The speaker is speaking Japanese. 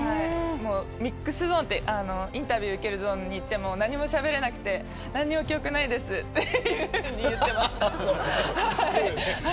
ミックスゾーンというインタビューを受けるゾーンに行っても何もしゃべれなくて何も記憶ないですって言ってました。